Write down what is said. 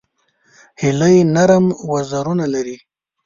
هیلۍ نرم وزرونه لري